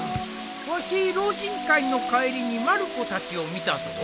わし老人会の帰りにまる子たちを見たぞ。